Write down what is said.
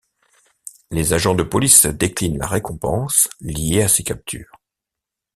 Les agents de police déclinent la récompense liée à ces captures.